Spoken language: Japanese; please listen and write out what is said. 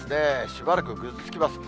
しばらくぐずつきます。